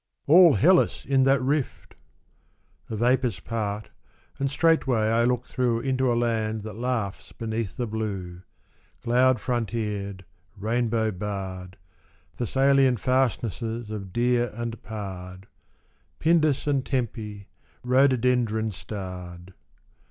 ALL Hellas in that rift ! The vapours part, and straightway I look through Into a land that laughs beneath the blue, Cloud frontiered, rainbow "barred, Thessalian fastnesses of deer and pard, Pindus and Tcmpc, rhododendron starred.